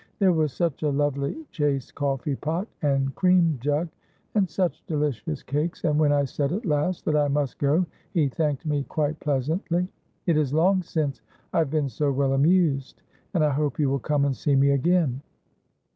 There was such a lovely chased coffee pot and cream jug, and such delicious cakes, and when I said at last that I must go he thanked me quite pleasantly. 'It is long since I have been so well amused, and I hope you will come and see me again.'